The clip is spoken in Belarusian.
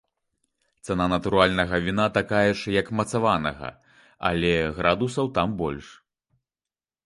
Цана натуральнага віна такая ж, як мацаванага, але градусаў там больш.